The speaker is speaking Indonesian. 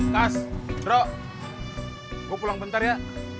kas rok gue pulang bentar ya